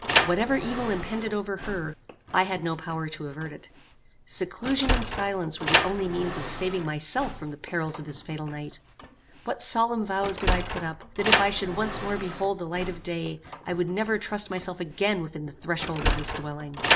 Whatever evil impended over her, I had no power to avert it. Seclusion and silence were the only means of saving myself from the perils of this fatal night. What solemn vows did I put up, that if I should once more behold the light of day, I would never trust myself again within the threshold of this dwelling!